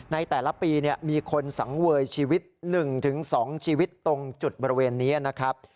ในแต่ละปีมีคนสังเวยชีวิต๑๒ชีวิตตรงจุดบริเวณนี้นะครับ